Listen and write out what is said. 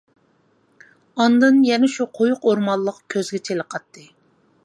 ئاندىن يەنە شۇ قويۇق ئورمانلىق كۆزگە چېلىقاتتى.